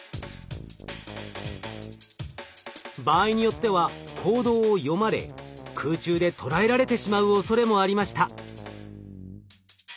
場合によっては行動を読まれ空中で捕らえられてしまうおそれもありました。